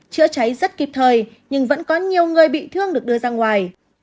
chữa cháy rất kịp thời nhưng vẫn có nhiều người bị thương được đưa ra ngoài